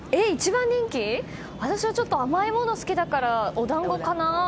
私はちょっと甘いものが好きだからお団子かな？